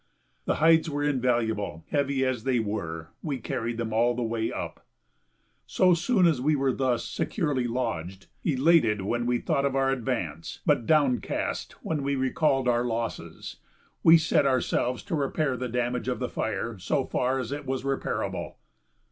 The hides were invaluable; heavy as they were, we carried them all the way up. So soon as we were thus securely lodged, elated when we thought of our advance, but downcast when we recalled our losses, we set ourselves to repair the damage of the fire so far as it was reparable.